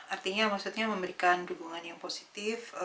artinya maksudnya memberikan dukungan yang positif